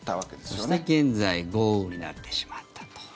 そして、現在豪雨になってしまったと。